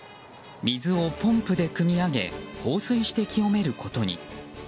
水をポンプでくみ上げ放水して清めることに。